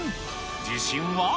自信は？